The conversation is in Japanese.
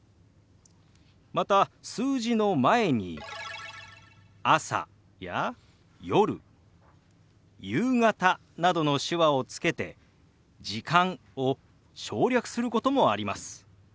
また数字の前に「朝」や「夜」「夕方」などの手話をつけて「時間」を省略することもあります。